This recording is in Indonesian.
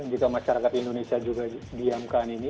jika masyarakat indonesia juga diamkan ini